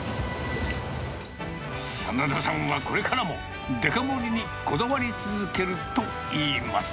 眞田さんはこれからも、デカ盛りにこだわり続けるといいます。